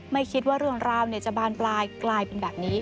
ไม่คิดว่าเรื่องราวจะบานปลายกลายเป็นแบบนี้